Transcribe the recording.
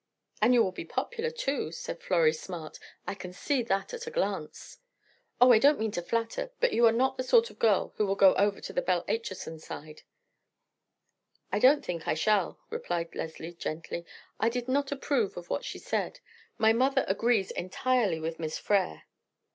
"And you will be popular too," said Florrie Smart. "I can see that at a glance. Oh, I don't mean to flatter; but you are not the sort who will go over to the Belle Acheson side." "I don't think I shall," replied Leslie gently. "I did not approve of what she said. My mother agrees entirely with Miss Frere."